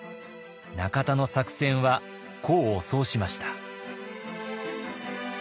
中田の作戦は功を奏しました。